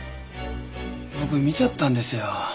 僕見ちゃったんですよ。